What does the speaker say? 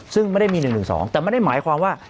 ซึ่งไม่ได้มี๑๑๒แต่ไม่ได้หมายความว่า